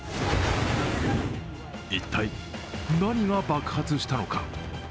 一体、何が爆発したのか。